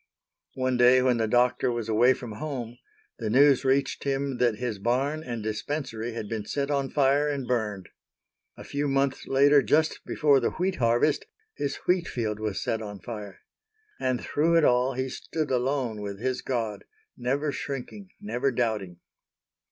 One day when the doctor was away from home, the news reached him that his barn and dispensary had been set on fire and burned. A few months later, just before the wheat harvest, his wheat field was set on fire. And through it all he stood alone with his God,—never shrinking, never doubting.